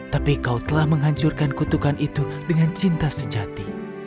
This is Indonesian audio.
tapi kau telah menghancurkan kutukan itu dengan cinta sejati